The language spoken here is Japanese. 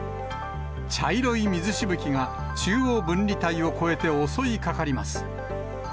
茶色い水しぶきが中央分離帯を越えて襲いかかります。